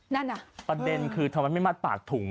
นั่นอ่ะประเด็นคือทำไมไม่มัดปากถุง